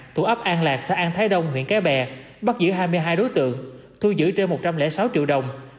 tủ áp an lạc xã an thái đông huyện cá bè bắt giữ hai mươi hai đối tượng thu giữ trên một trăm linh sáu triệu đồng